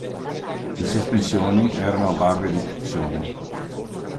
Le sospensioni erano a barre di torsione.